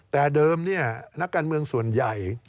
แต่เดิมนักการเมืองส่วนใหญ่